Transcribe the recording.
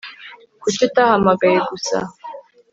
Kuki utahamagaye gusa